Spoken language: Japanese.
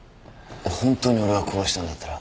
本当に俺が殺したんだったら。